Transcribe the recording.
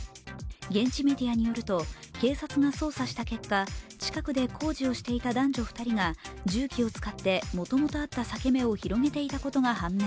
現地メディアによると、警察が捜査した結果、近くで工事をしていた男女２人が重機を使ってもともとあった裂け目を広げていたことが判明。